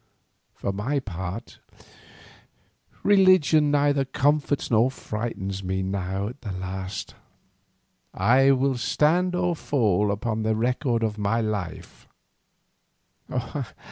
For my part religion neither comforts nor frightens me now at the last. I will stand or fall upon the record of my life.